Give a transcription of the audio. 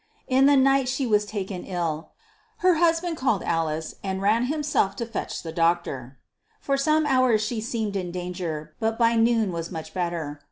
In the night she was taken ill. Her husband called Alice, and ran himself to fetch the doctor. For some hours she seemed in danger, but by noon was much better.